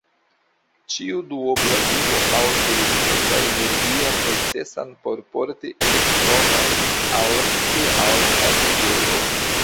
Ĉiu duobla ligo malpliigas la energion necesan por porti elektronojn al pli alta nivelo.